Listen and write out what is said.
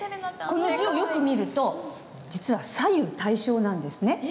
この字をよく見ると実は左右対称なんですね。